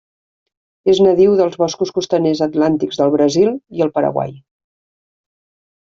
És nadiu dels boscos costaners atlàntics del Brasil i el Paraguai.